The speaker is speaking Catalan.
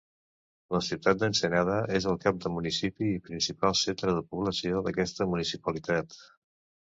La ciutat d'Ensenada és el cap de municipi i principal centre de població d'aquesta municipalitat.